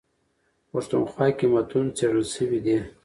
پښتونخوا کي متون څېړل سوي دي.